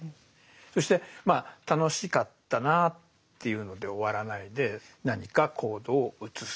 そしてまあ楽しかったなっていうので終わらないで何か行動を移す。